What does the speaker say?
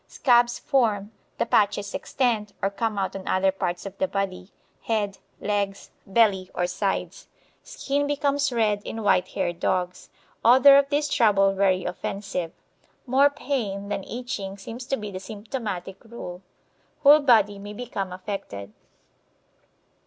Scabs form, the patches extend, or come out on other parts of the body, head, legs, belly, or sides. Skin becomes red in white haired dogs. Odour of this trouble very offensive. More pain than itching seems to be the symptomatic rule. Whole body may become affected.